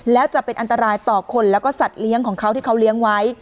แล้วจะเป็นอันตรายต่อคนแล้วก็สัตว์เลี้ยงของเขาที่เขาเลี้ยงไว้